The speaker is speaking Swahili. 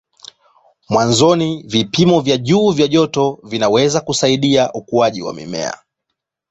Mwanzoni vipimo vya juu vya joto vinaweza kusaidia ukuaji wa mimea.